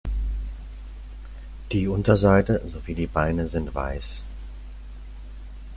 Die Unterseite sowie die Beine sind weiß.